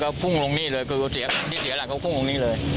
เค้าพุ่งลงนี้เลยคือเสียครั้งที่เสียแหละเค้าพุ่งลงนี้เลย